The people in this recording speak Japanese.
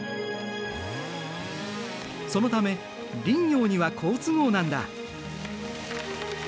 そのため林業には好都合なんだ。